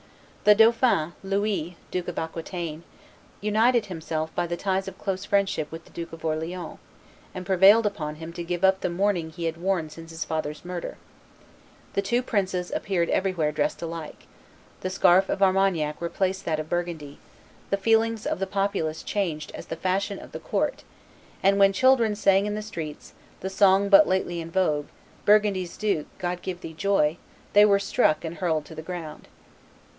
The dauphin, Louis Duke of Aquitaine, united himself by the ties of close friendship with the Duke of Orleans, and prevailed upon him to give up the mourning he had worn since his father's murder; the two princes appeared everywhere dressed alike; the scarf of Armagnac re placed that of Burgundy; the feelings of the populace changed as the fashion of the court; and when children sang in the streets the song but lately in vogue, "Burgundy's duke, God give thee joy!" they were struck and hurled to the ground.